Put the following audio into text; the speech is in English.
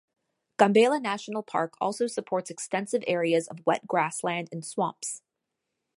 Gambela National Park also supports extensive areas of wet grassland and swamps.